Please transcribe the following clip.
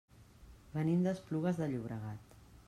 Venim d'Esplugues de Llobregat.